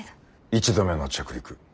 １度目の着陸。